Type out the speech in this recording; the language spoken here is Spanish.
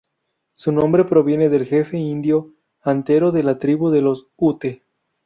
Su nombre proviene del Jefe indio Antero de la tribu de los ute.